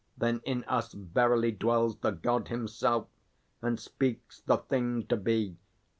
Then in us verily dwells The God himself, and speaks the thing to be.